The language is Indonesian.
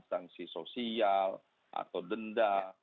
sanksi sosial atau denda